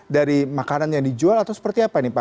dari makanan yang dijual atau seperti apa nih pak